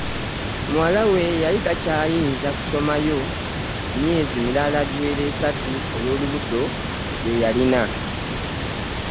Muwala we yali takyayinza kusomayo myezi mirala giwera esatu olw'olubuto lwe yali alina.